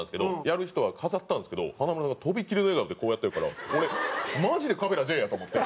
やる人は飾ってあるんですけど華丸さんがとびきりの笑顔でこうやってるから俺マジで川平慈英やと思って。